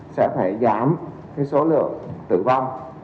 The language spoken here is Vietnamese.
sẽ phải giảm số lượng tử vong